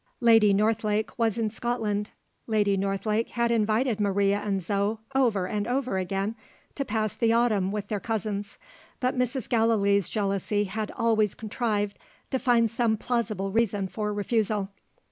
Lady Northlake was in Scotland. Lady Northlake had invited Maria and Zo, over and over again, to pass the autumn with their cousins; but Mrs. Gallilee's jealousy had always contrived to find some plausible reason for refusal.